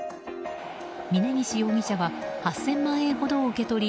峯岸容疑者は８０００万円ほどを受け取り